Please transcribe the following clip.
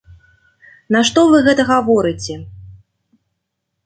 Нашто вы гэта гаворыце?